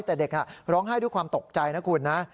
แต่เด็กร้องไห้ด้วยความตกใจนะคุณนะ